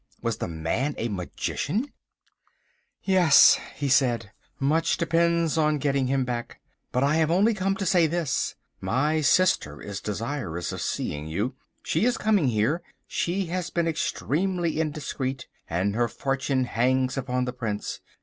Was the man a magician? "Yes," he said, "much depends on getting him back. But I have only come to say this: my sister is desirous of seeing you. She is coming here. She has been extremely indiscreet and her fortune hangs upon the Prince.